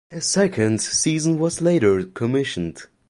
A second season was later commissioned.